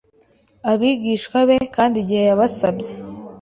abigishwa be kandi igihe yabasabye